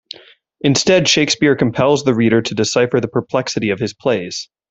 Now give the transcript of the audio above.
Instead, Shakespeare compels the reader to decipher the perplexity of his plays.